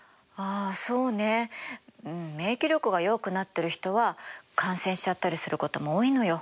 うん免疫力が弱くなっている人は感染しちゃったりすることも多いのよ。